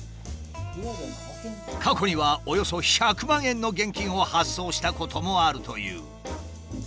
過去にはおよそ１００万円の現金を発送したこともあるという。